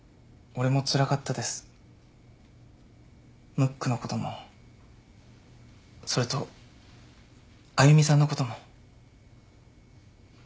ムックのこともそれとあゆみさんのことも。